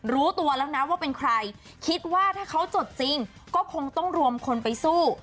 รู้ตัวแล้วนะว่าเป็นใครคิดว่าถ้าเขาจดจริงก็คงต้องรวมคนไปสู้